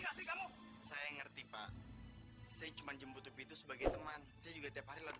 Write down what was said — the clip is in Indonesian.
gak sih kamu saya ngerti pak saya cuman jemput itu sebagai teman saya juga tiap hari lagi